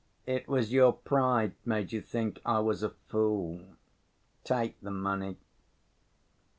"It was your pride made you think I was a fool. Take the money."